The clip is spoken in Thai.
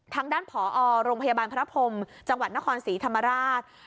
ทางด้านผอโรงพยาบาลพระพรมจังหวัดนครศรีธรรมราช